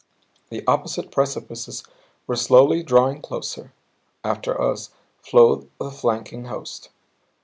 The opposite precipices were slowly drawing closer. After us flowed the flanking host.